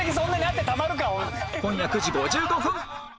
今夜９時５５分！